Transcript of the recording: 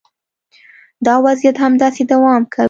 دا وضعیت همداسې دوام کوي